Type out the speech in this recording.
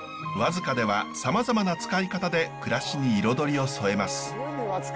和束ではさまざまな使い方で暮らしに彩りを添えます。